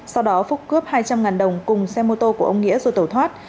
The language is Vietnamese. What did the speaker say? sau đó phúc cướp hai trăm linh đồng cùng xe mô tô của ông nghĩa rồi tẩu thoát